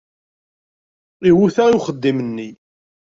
Iwuta i uxeddim-nni.